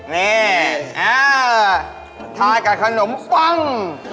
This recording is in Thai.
นี่อ้าวทายกับขนมปัง